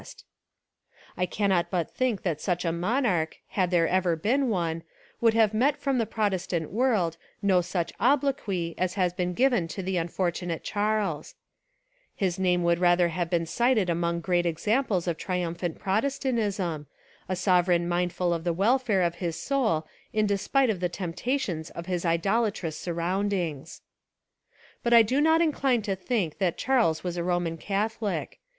300 A Rehabilitation of Charles II I cannot but think that such a monarch, had there ever been one, would have met from the Protestant world no such obloquy as has been given to the unfortunate Charles : his name would rather have been cited among great ex amples of triumphant Protestantism, a sover eign mindful of the welfare of his soul in despite of the temptations of his idolatrous surroundings. But I do not incline to think that Charles was a Roman Catholic.